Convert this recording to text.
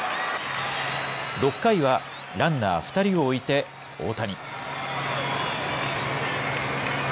６回はランナー２人を置いて大谷。